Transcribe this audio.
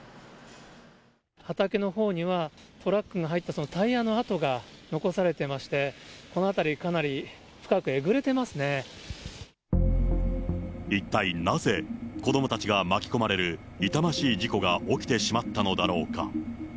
畑のほうには、トラックが入ったそのタイヤの跡が残されてまして、この辺り、か一体なぜ、子どもたちが巻き込まれる痛ましい事故が起きてしまったのだろうか。